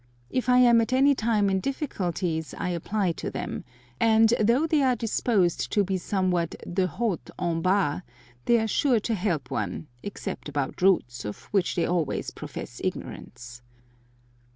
If I am at any time in difficulties I apply to them, and, though they are disposed to be somewhat de haut en bas, they are sure to help one, except about routes, of which they always profess ignorance.